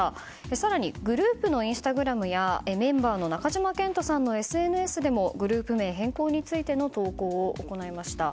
更にグループのインスタグラムやメンバーの中島健人さんのＳＮＳでもグループ名変更についての投稿を行いました。